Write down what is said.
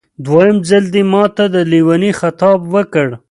دویم ځل دې ماته د لېوني خطاب وکړ.